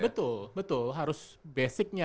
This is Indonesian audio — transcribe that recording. betul betul harus basicnya